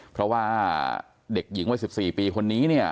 เพราะว่าเด็กหญิงวัย๑๔ปีคนนี้เนี่ย